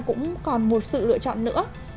cũng còn một sự lựa chọn nữa